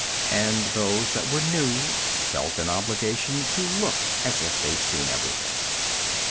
And those that were new felt an obligation to look as if they'd seen everything.